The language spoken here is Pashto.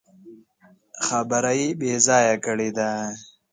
خبره يې بې ځايه کړې ده.